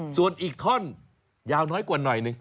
ส่วนอีกท่อนยาวน้อยกว่าหน่อยหนึ่ง